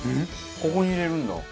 ここに入れるんだ。